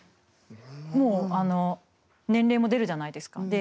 もう年齢も出るじゃないですか。